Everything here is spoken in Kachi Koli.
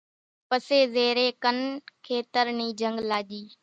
پسي زيرين ڪن کيتر ني جنگ لاڄي